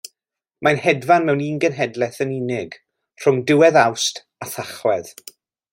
Mae'n hedfan mewn un genhedlaeth yn unig, rhwng diwedd Awst a Thachwedd.